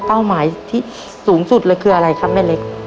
เป้าหมายที่สูงสุดคืออะไรคะแม่เล็ก